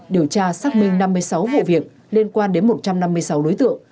điều tra xác minh năm mươi sáu vụ việc liên quan đến một trăm năm mươi sáu đối tượng